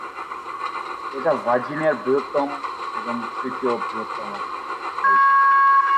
এটা ভার্জিনিয়ার বৃহত্তম এবং তৃতীয় বৃহত্তম স্থল শহর।